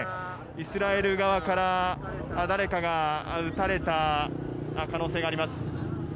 イスラエル側から誰かが撃たれた可能性があります。